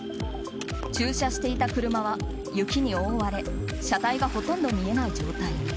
駐車していた車は雪に覆われ車体がほとんど見えない状態に。